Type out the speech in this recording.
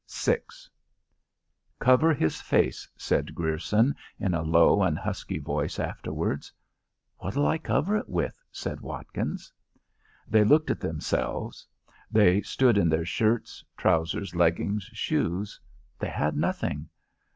VI "Cover his face," said Grierson, in a low and husky voice afterwards. "What'll I cover it with?" said Watkins. They looked at themselves. They stood in their shirts, trousers, leggings, shoes; they had nothing.